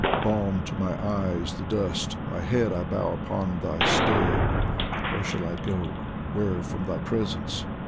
Balm to mine eyes the dust, my head I bow Upon thy stair. Where shall I go, where from thy presence